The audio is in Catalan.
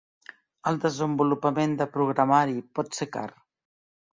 El desenvolupament de programari pot ser car.